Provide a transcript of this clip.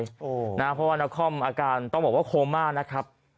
เพราะว่านครอาการต้องบอกว่าโคม่านะครับ